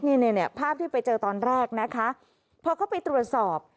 นี่เนี่ยภาพที่ไปเจอตอนแรกนะคะพอเข้าไปตรวจสอบ